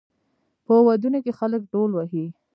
په ودونو کې خلک ډول وهي.